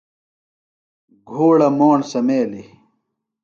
گُھوڑہ موݨ سمیلیۡ۔